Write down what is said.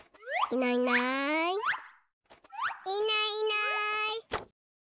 いないいない。